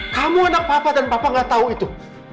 kamu anak papa dan papa gak tahu itu